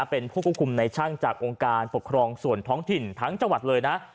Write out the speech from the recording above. เป็นผู้ควบคุมในช่างจากองค์การปกครองส่วนท้องถิ่นทั้งจังหวัดเลยนะ